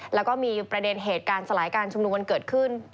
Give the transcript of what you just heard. แล้วก็มีประเด็นเหตุการณ์สลายการชุมนุมกันเกิดขึ้น